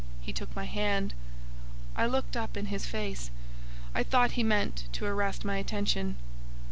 He took my hand. I looked up in his face. I thought he meant to arrest my attention.